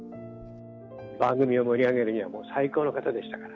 番組を盛り上げるには、もう最高の方でしたから。